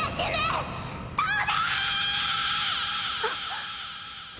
あっ！